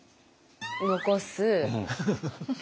残す。